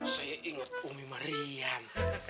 saya inget umi marian